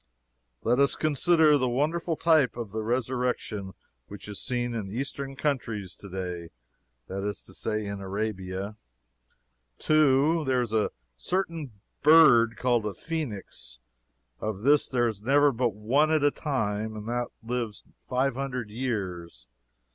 Let us consider that wonderful type of the resurrection, which is seen in the Eastern countries, that is to say, in Arabia. "2. There is a certain bird called a phoenix. Of this there is never but one at a time, and that lives five hundred years.